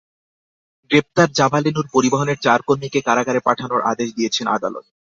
গ্রেপ্তার জাবালে নূর পরিবহনের চার কর্মীকে কারাগারে পাঠানোর আদেশ দিয়েছেন আদালত।